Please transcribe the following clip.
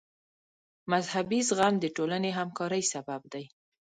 مذهبي زغم د ټولنې همکارۍ سبب دی.